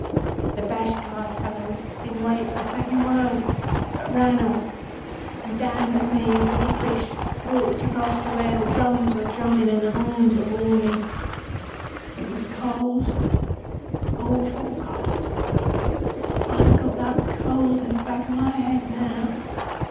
"The Bashkai fellows didn't wait for a second word but ran off, and Dan and Me and Billy Fish walked across to where the drums were drumming and the horns were horning. It was cold awful cold. I've got that cold in the back of my head now.